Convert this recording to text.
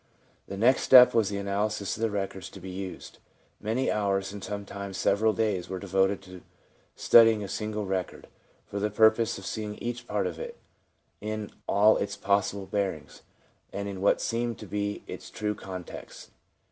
The next step was the analysis of the records to be used. Many hours, and sometimes several days, were devoted to studying a single record, for the purpose of seeing each part of it in all its possible bearings, and in what seemed to be its true context.